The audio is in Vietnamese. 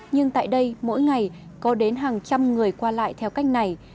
nhưng tại đây mỗi ngày có đến hàng trăm người qua lại theo cách này